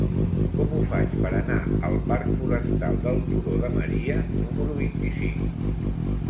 Com ho faig per anar al parc Forestal del Turó de Maria número vint-i-cinc?